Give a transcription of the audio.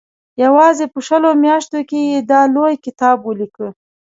یوازې په شلو میاشتو کې یې دا لوی کتاب ولیکه.